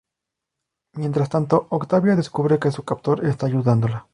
Mientras tanto, Octavia descubre que su captor está ayudándola.